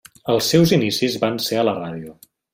Els seus inicis van ser a la ràdio.